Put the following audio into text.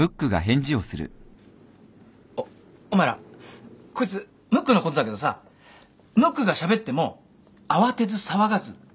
おっお前らこいつムックのことだけどさムックがしゃべっても慌てず騒がず普通にしてろ。